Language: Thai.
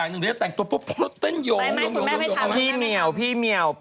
นั่งพอสรุปแล้ว